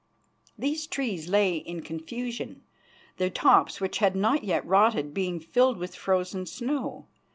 These trees lay in confusion, their tops, which had not yet rotted, being filled with frozen snow.